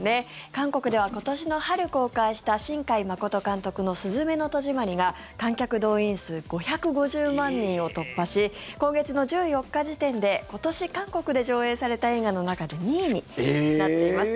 韓国では今年の春公開した新海誠監督の「すずめの戸締まり」が観客動員数５５０万人を突破し今月の１４日時点で今年韓国で上映された映画の中で２位になっています。